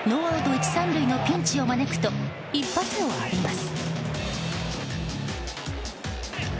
１、３塁のピンチを招くと、一発を浴びます。